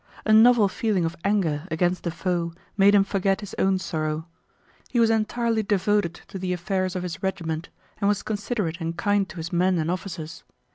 A novel feeling of anger against the foe made him forget his own sorrow. He was entirely devoted to the affairs of his regiment and was considerate and kind to his men and officers.